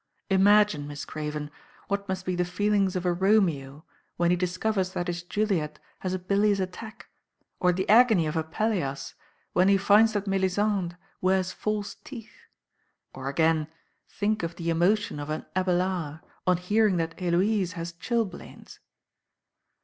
Imagine, Miss Craven, what must be the feelings of a Romeo when he discovers that his Juliet has a bilious attack, or the agony of a Pelleas when he finds that Melisande wears false teeth, or again, think of the emotion of an Abelard on hearing that HeloTse has chilblains."